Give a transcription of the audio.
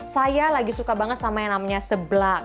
saya lagi suka banget sama yang namanya seblak